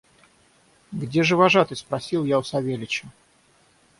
– Где же вожатый? – спросил я у Савельича.